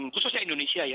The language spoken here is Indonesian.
khususnya indonesia ya